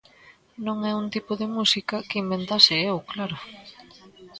Non é un tipo de música que inventase eu, claro.